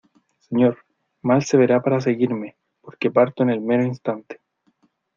señor, mal se verá para seguirme , porque parto en el mero instante.